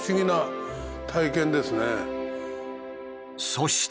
そして。